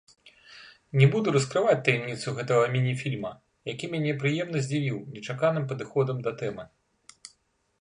Не буду раскрываць таямніцу гэтага міні-фільма, які мяне прыемна здзівіў нечаканым падыходам да тэмы.